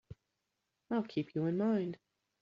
I'll keep you in mind.